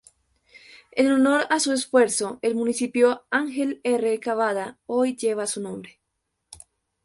En honor a su esfuerzo, el Municipio Ángel R. Cabada hoy lleva su nombre.